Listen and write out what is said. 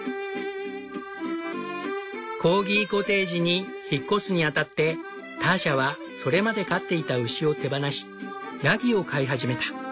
コーギコテージに引っ越すに当たってターシャはそれまで飼っていた牛を手放しヤギを飼い始めた。